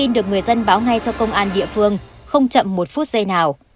được người dân báo ngay cho công an địa phương không chậm một phút giây nào